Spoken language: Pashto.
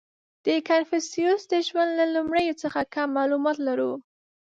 • د کنفوسیوس د ژوند له لومړیو څخه کم معلومات لرو.